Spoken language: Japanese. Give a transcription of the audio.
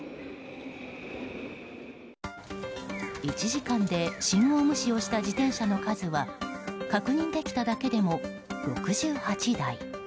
１時間で信号無視をした自転車の数は確認できただけでも６８台。